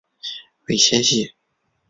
尾纤细。